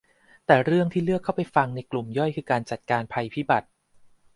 แต่เรื่องที่เลือกเข้าไปฟังในกลุ่มย่อยคือการจัดการภัยพิบัติ